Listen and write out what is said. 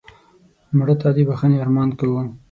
مړه ته د بښنې ارمان کوو